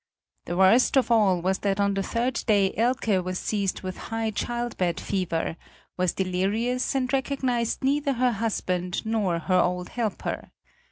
The worst of all was that on the third day Elke was seized with high childbed fever, was delirious and recognised neither her husband nor her old helper.